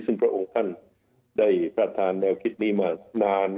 ซึ่งพระองค์ท่านได้พระทานแนวคิดนี้มานาน